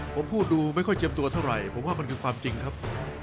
ผมพูดดูไม่ค่อยเตรียมตัวเท่าไหร่ผมว่ามันคือความจริงครับ